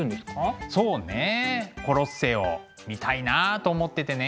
そうねコロッセオ見たいなあと思っててね。